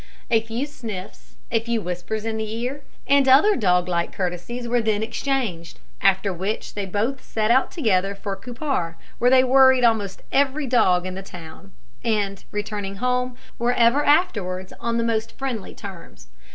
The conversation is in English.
A few sniffs, a few whispers in the ear, and other dog like courtesies were then exchanged, after which they both set out together for Cupar, where they worried almost every dog in the town, and, returning home, were ever afterwards on the most friendly terms.